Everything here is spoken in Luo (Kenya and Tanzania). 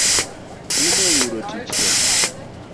Tinde yudo tich tek